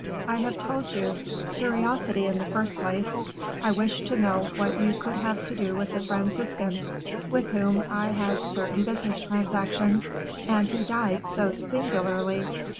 I have told you. Curiosity in the first place. I wished to know what you could have to do with the Franciscan, with whom I had certain business transactions, and who died so singularly.